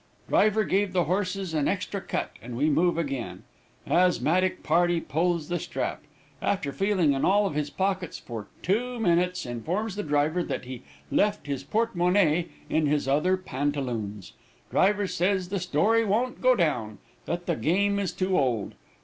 Driver gave the horses an extra cut, and we move again. Asthmatic party pulls the strap. After feeling in all of his pockets for two minutes, informs the driver that he left his porte monnaie in his other pantaloons. Driver says the story won't go down that the game is too old.